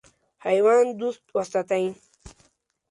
حیوان دوست وساتئ.